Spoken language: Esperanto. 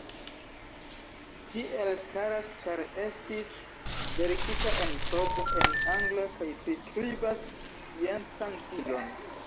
Ĝi elstaras ĉar estis verkita en prozo, en angla, kaj priskribas sciencan ilon.